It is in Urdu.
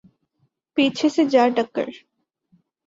پیچھے سے جا ٹکر